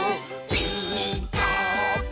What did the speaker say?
「ピーカーブ！」